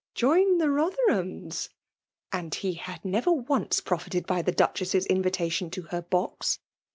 " Join the Rotherhams !" And he had never once profited by the Duchess's invitation to her box